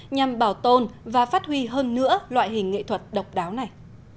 nhằm bảo tồn và phát huy hơn nữa loại hình nghệ thuật độc đáo này